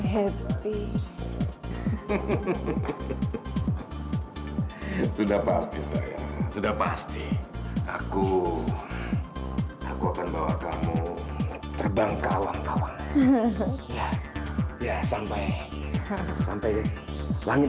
sudah pasti sudah pasti aku aku akan bawa kamu terbang kawang kawang ya ya sampai sampai langit